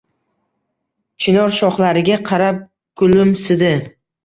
Chinor shoxlariga qarab kulimsidi.